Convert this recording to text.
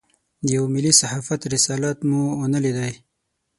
د یوه ملي صحافت رسالت مو ونه لېدای.